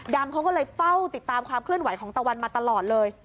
เขาก็เลยเฝ้าติดตามความเคลื่อนไหวของตะวันมาตลอดเลย